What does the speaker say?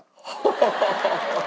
ハハハハ！